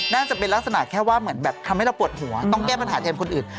น่าจะเป็นลักษณะแค่ว่าเหมือนแบบทำให้เราปวดหัวต้องแก้ปัญหาแทนคนอื่น